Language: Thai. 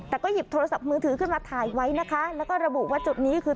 แต่ก็หยิบโทรศัพท์มือถือขึ้นมาถ่ายไว้นะคะแล้วก็ระบุว่าจุดนี้คือ